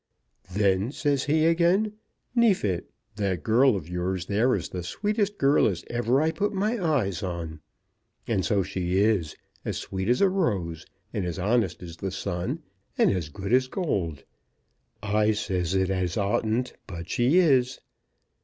Then says he again, 'Neefit, that girl of yours there is the sweetest girl as ever I put my eyes on.' And so she is, as sweet as a rose, and as honest as the sun, and as good as gold. I says it as oughtn't; but she is.